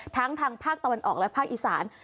ทางภาคตะวันออกและภาคอีสาน